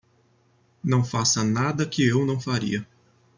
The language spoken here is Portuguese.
Não faça nada que eu não faria.